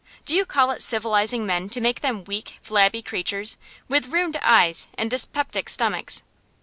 Do you call it civilising men to make them weak, flabby creatures, with ruined eyes and dyspeptic stomachs?